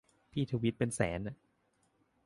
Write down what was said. พี่ทวีตเป็นแสนอะ